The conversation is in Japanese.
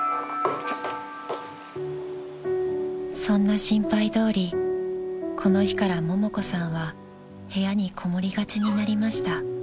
［そんな心配どおりこの日からももこさんは部屋にこもりがちになりました］